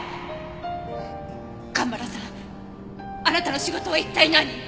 あなたの仕事は一体何？